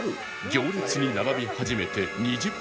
行列に並び始めて２０分